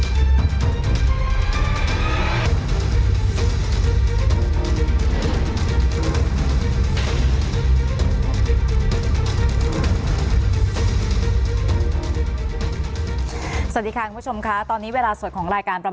สนับสนุนโดยทีโพพิเศษถูกอนามัยสะอาดใสไร้คราบ